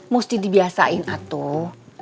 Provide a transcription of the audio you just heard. mesti dibiasain atuh